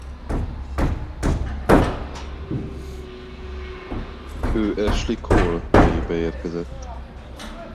Ő Ashley Cole helyébe érkezett.